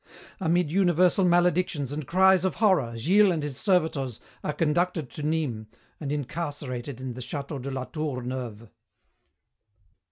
Amid universal maledictions and cries of horror Gilles and his servitors are conducted to Nîmes and incarcerated in the château de la Tour Neuve.